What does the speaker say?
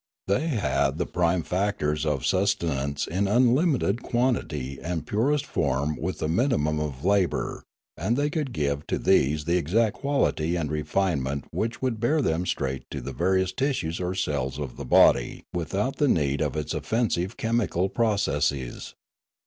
They had the prime factors of sustenance in unlimited quantity and purest form with the minimum of labour, and they could give to these the exact quality and refinement which would bear them straight to the various tissues or cells of the body without the need of its offensive chemical 1 10 Limanora processes.